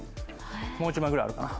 もう１枚ぐらいあるかな？